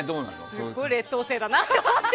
すごい劣等生だなって思う。